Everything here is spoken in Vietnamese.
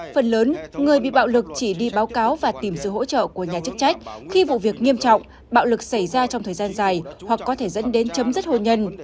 phần lớn người bị bạo lực chỉ đi báo cáo và tìm sự hỗ trợ của nhà chức trách khi vụ việc nghiêm trọng bạo lực xảy ra trong thời gian dài hoặc có thể dẫn đến chấm dứt hôn nhân